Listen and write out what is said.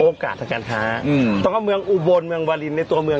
ทางการค้าต้องเอาเมืองอุบลเมืองวาลินในตัวเมือง